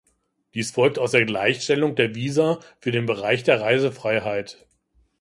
Dies folgt aus der Gleichstellung der Visa für den Bereich der Reisefreiheit.